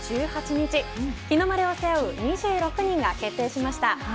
日の丸を背負う２６人が決定しました。